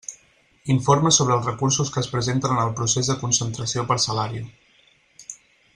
Informa sobre els recursos que es presenten en el procés de concentració parcel·lària.